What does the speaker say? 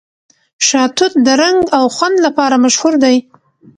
شاه توت د رنګ او خوند لپاره مشهور دی.